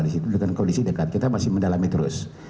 di situ dengan kondisi dekat kita masih mendalami terus